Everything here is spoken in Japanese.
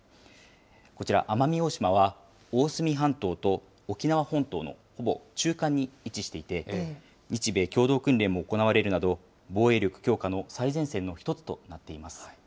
こちら、奄美大島は大隅半島と、沖縄本島のほぼ中間に位置していて、日米共同訓練も行われるなど、防衛力強化の最前線の一つとなっています。